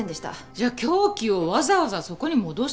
じゃあ凶器をわざわざそこに戻したって事？